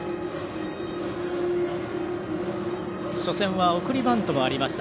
初戦は送りバントがありました。